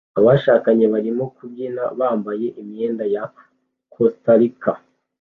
Abashakanye barimo kubyina bambaye imyenda ya Costa Rican